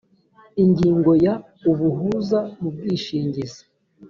ingingo ya ubuhuza mu bwishingizi